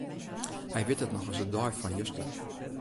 Hy wit it noch as de dei fan juster.